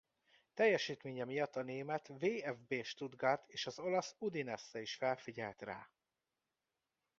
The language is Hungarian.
Teljesítménye miatt a német VfB Stuttgart és az olasz Udinese is felfigyelt rá.